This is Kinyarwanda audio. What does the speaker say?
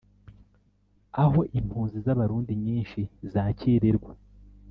aho impunzi z’Abarundi nyinshi zakirirwa